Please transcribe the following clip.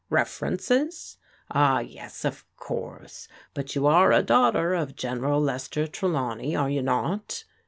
"References? Ah, yes, of course. But you are a daughter of General Lester Trelawney, are you not